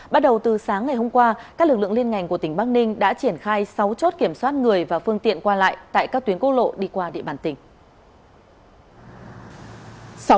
bắt đầu từ sáng ngày hôm qua các lực lượng liên ngành của tỉnh bắc ninh đã triển khai sáu chốt kiểm soát người và phương tiện qua lại tại các tuyến quốc lộ đi qua địa bàn tỉnh